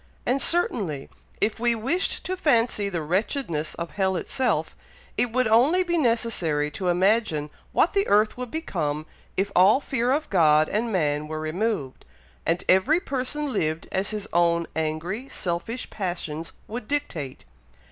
And certainly, if we wished to fancy the wretchedness of hell itself, it would only be necessary to imagine what the earth would become if all fear of God and man were removed, and every person lived as his own angry, selfish passions would dictate.